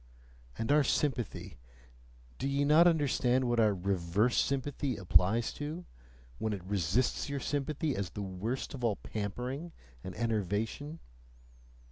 And our sympathy do ye not understand what our REVERSE sympathy applies to, when it resists your sympathy as the worst of all pampering and enervation?